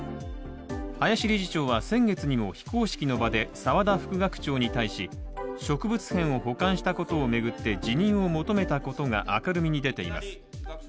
林理事長は先月にも非公式の場で沢田副学長に対し、植物片を保管したことを巡って辞任を求めたことが明るみに出ています。